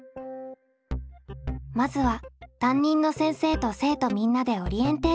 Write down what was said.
まずは担任の先生と生徒みんなでオリエンテーション。